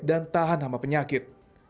dan tahan hama penyakit